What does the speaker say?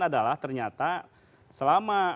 adalah ternyata selama